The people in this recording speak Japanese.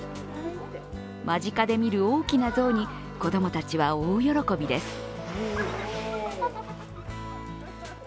間近で見る大きな象に子供たちは大喜びです。